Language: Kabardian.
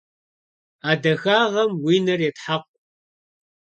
А дахагъэм уи нэр етхьэкъу.